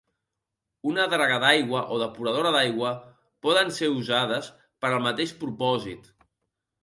Una draga d'aigua o depuradora d'aigua poden ser usades per al mateix propòsit.